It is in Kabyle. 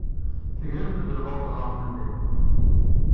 Tegremt-d lbaṭel ɣef medden.